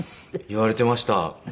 言われてました。